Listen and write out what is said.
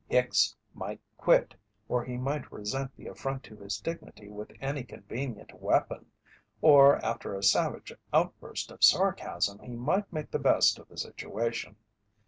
Hicks might quit, or he might resent the affront to his dignity with any convenient weapon, or after a savage outburst of sarcasm he might make the best of the situation.